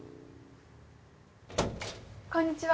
こんにちは。